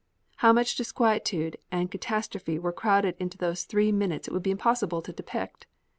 How much disquietude and catastrophe were crowded into those three minutes it would be impossible to depict.